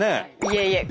いえいえ。